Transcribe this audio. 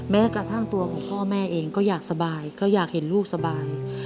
แม้กระทั่งตัวของพ่อแม่เองก็อยากสบายก็อยากเห็นลูกสบาย